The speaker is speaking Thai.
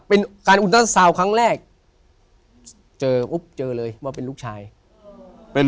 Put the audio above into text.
เป็นการอุณเตอร์ซาวน์ครั้งแรกเจอปุ๊บเจอเลยว่าเป็นลูกชายเป็น